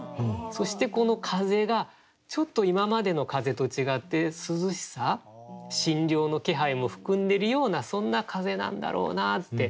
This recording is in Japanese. そして、この風がちょっと今までの風と違って涼しさ、新涼の気配も含んでるようなそんな風なんだろうなぁって。